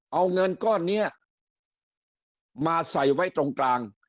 เอาเงินก้อนนี้มาใส่ไว้ตรงกลาง